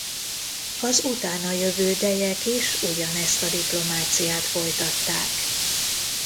Az utána jövő dejek is ugyanezt a diplomáciát folytatták.